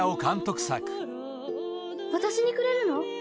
私にくれるの？